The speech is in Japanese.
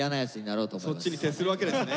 そっちに徹するわけですね。